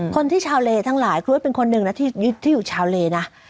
คนที่ชาวเลทั้งหลายกรุ๊ดเป็นคนหนึ่งนะที่อยู่ชาวเลนะ